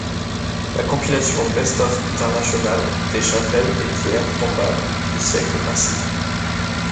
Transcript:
La compilation best of international des chapelles et pierres tombales du siècle passé.